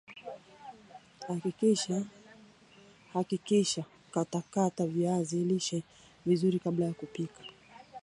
hakikisha katakata viazi lishe vizuri kabla ya kupika